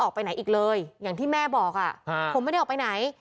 ออกไปไหนอีกเลยอย่างที่แม่บอกผมไม่ได้ออกไปไหน